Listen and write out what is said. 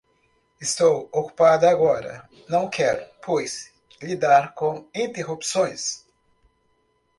Estou ocupada agora. Não quero, pois, lidar com interrupções.